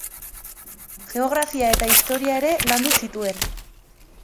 Geografia eta historia ere landu zituen.